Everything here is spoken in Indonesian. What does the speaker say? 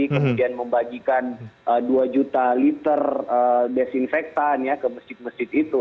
kemudian membagikan dua juta liter desinfektan ya ke masjid masjid itu